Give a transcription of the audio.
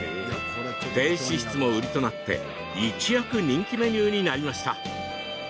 低脂質も売りとなって一躍、人気メニューになりました。